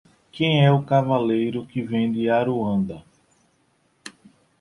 Quem é o cavaleiro que vem de Aruanda?